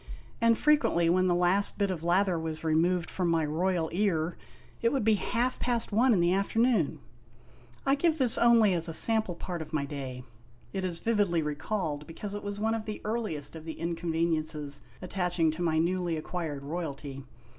and fre quently when the last bit of lather was removed from my royal ear, it would be half past one in the afternoon! I give this only as a sample part of my day. It is vividly recalled because it was one of the earliest of the inconveniences attaching to my newly acquired royalty.